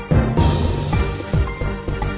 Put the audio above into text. กินโทษส่องแล้วอย่างนี้ก็ได้